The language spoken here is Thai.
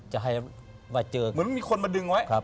เหมือนมีคนมาดึงไว้